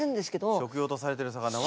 食用とされてる魚は。